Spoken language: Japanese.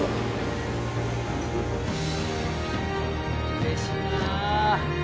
うれしいな。